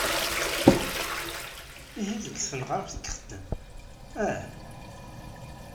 Ihi deg tneɣraft i ixeddem, ah?